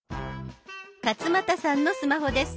勝俣さんのスマホです。